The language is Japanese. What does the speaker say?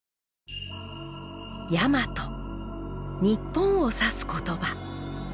日本を指す言葉。